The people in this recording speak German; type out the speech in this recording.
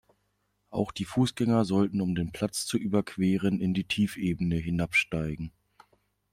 Auch die Fußgänger sollten, um den Platz zu überqueren, in die Tiefebene hinabsteigen.